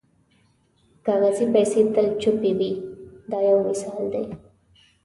کاغذي پیسې تل چوپې وي دا یو مثال دی.